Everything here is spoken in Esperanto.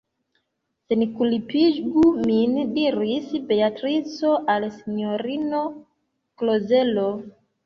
Senkulpigu min, diris Beatrico al sinjorino Klozelo.